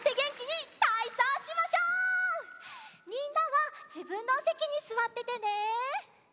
みんなはじぶんのおせきにすわっててね！